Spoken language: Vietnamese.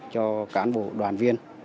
cho cán bộ đoàn viên